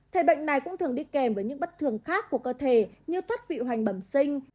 thầy bệnh này cũng thường đi kèm với những bất thường khác của cơ thể như thoát vị hoành bẩm sinh